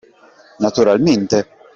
Naturalmente!